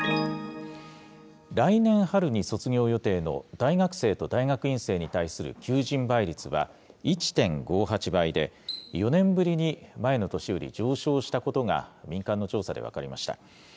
来年春に卒業予定の大学生と大学院生に対する求人倍率は１．５８倍で、４年ぶりに前の年より上昇したことが、民間の調査で分かりました。